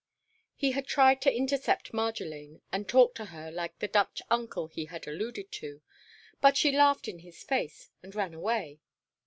He had tried to intercept Marjolaine and talk to her like the Dutch uncle he had alluded to, but she laughed in his face, and ran away.